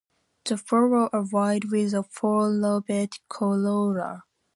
The flowers are white, with a four-lobed corolla.